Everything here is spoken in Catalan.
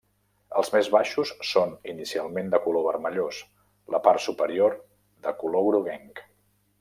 Els més baixos són inicialment de color vermellós, la part superior de color groguenc.